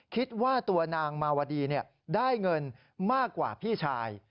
คิดว่าตัวนางมาวดีได้เงินมากกว่าพี่ชาย